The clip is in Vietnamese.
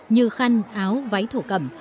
như khăn áo váy thổ cẩm